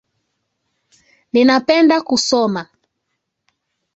Ninapenda kusoma.